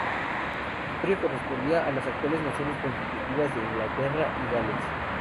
Su territorio correspondía a las actuales naciones constitutivas de Inglaterra y Gales.